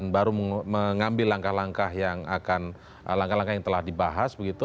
baru mengambil langkah langkah yang telah dibahas begitu